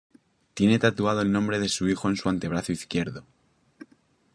Tiene tatuado el nombre de su hijo en su antebrazo izquierdo.